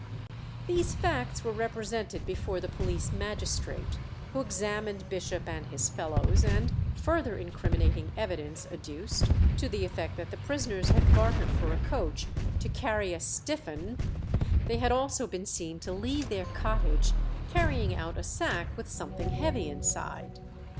These facts were represented before the police magistrate who examined Bishop and his fellows, and further incriminating evidence adduced, to the effect that the prisoners had bartered for a coach to carry "a stiff 'un"; they had also been seen to leave their cottage, carrying out a sack with something heavy inside.